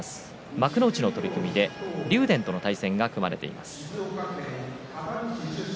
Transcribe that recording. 幕内の取組で竜電との対戦が組まれています。